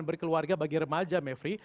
berkeluarga bagi remaja mevri